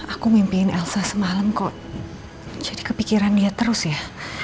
aku mimpin elsa semalam kok jadi kepikiran dia terus ya